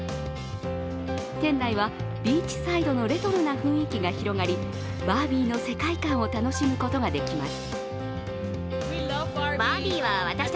店内はビーチサイドのレトロな雰囲気が広がりバービーの世界観を楽しむことができます。